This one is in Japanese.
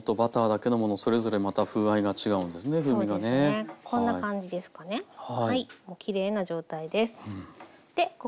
きれいな状態です。